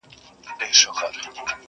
ما خپله کیسه کول ګرېوان راسره وژړل،